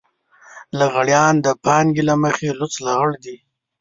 لغړيان د پانګې له مخې لوڅ لغړ دي.